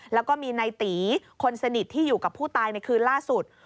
แล้วก็มีในตีคนสนิทที่อยู่กับผู้ตายในคืนล่าสุด